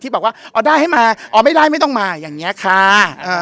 บอกว่าอ๋อได้ให้มาอ๋อไม่ได้ไม่ต้องมาอย่างนี้ค่ะ